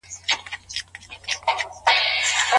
د څو شرونو په منځ کي بايد کوچنی شر غوره سي.